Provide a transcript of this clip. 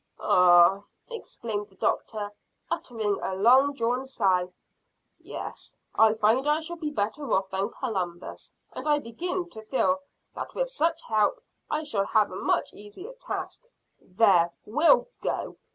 "Hah!" exclaimed the doctor, uttering a long drawn sigh. "Yes, I find I shall be better off than Columbus, and I begin to feel that with such help I shall have a much easier task. There: we'll go.